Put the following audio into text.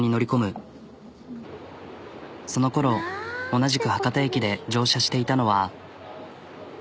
同じく博多駅で乗車していたのは。